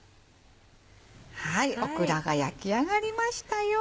オクラが焼き上がりましたよ。